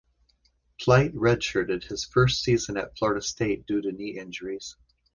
Polite redshirted his first season at Florida State due to knee injuries.